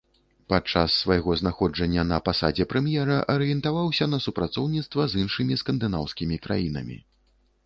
Падчас свайго знаходжання на пасадзе прэм'ера арыентаваўся на супрацоўніцтва з іншымі скандынаўскімі краінамі.